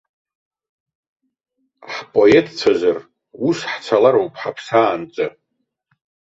Ҳпоетцәазар, ус ҳцалароуп ҳаԥсаанӡа!